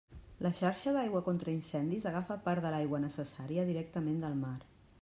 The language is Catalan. La xarxa d'aigua contra incendis agafa part de l'aigua necessària directament del mar.